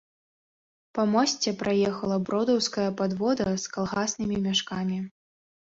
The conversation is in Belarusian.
Па мосце праехала бродаўская падвода з калгаснымі мяшкамі.